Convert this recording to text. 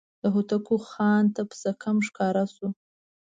د هوتکو خان ته پسه کم ښکاره شو.